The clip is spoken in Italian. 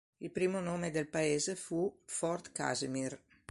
Il primo nome del paese fu "Fort Casimir".